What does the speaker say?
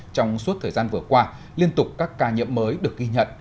trong suốt thời gian vừa qua liên tục các ca nhiễm mới được ghi nhận